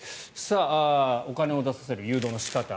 お金を出させる誘導の仕方。